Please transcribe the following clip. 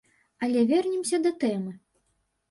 Але вернемся да тэмы.